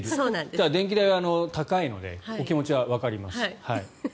ただ、電気代は高いのでお気持ちはわかります。